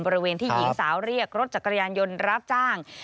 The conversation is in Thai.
บริเวณที่หญิงสาวเรียกรถจักรยานยนต์รับจ้าง